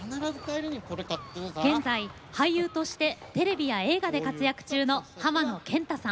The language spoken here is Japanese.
現在、俳優としてテレビや映画で活躍中の浜野謙太さん。